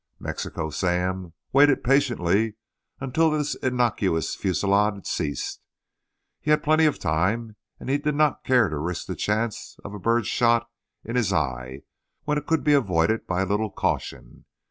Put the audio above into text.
Mexico Sam waited patiently until this innocuous fusillade ceased. He had plenty of time, and he did not care to risk the chance of a bird shot in his eye when it could be avoided by a little caution.